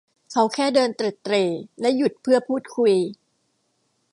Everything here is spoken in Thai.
เขาแค่เดินเตร็ดเตร่และหยุดเพื่อพูดคุย